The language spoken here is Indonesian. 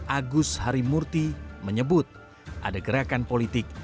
agus harimurti menyebut ada gerakan politik